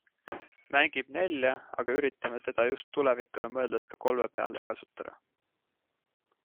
Mängib nelja, aga üritame teda just tulevikule mõeldes ka kolme peal kasutada.